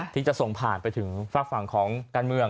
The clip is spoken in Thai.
ที่จะส่งผ่านไปถึงฝากฝั่งของการเมือง